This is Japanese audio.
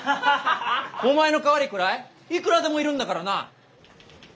お前の代わりくらいいくらでもいるんだからな！